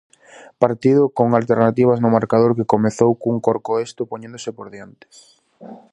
Partido con alternativas no marcador que comezou cun Corcoesto poñéndose por diante.